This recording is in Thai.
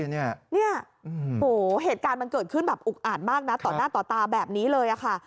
เนี่ยโอ้โหเหตุการณ์มันเกิดขึ้นแบบอุกอาดมากนะต่อหน้าต่อตาแบบนี้เลยค่ะ